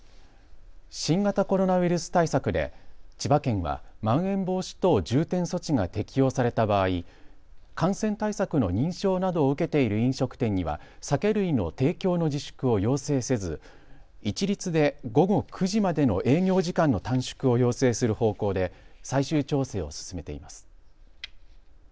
新型コロナウイルス対策で千葉県は、まん延防止等重点措置が適用された場合、感染対策の認証などを受けている飲食店には酒類の提供の自粛を要請せず一律で午後９時までの営業時間の短縮を要請する方向で最終調整を進めています。